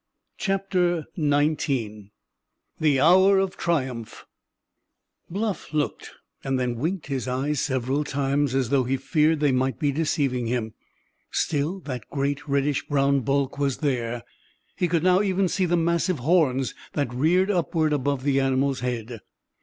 CHAPTER XIX THE HOUR OF TRIUMPH Bluff looked, and then winked his eyes several times, as though he feared they might be deceiving him. Still that great reddish brown bulk was there. He could now even see the massive horns that reared upward above the animal's head.